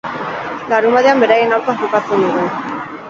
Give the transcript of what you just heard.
Larunbatean beraien aurka jokatzen dugu.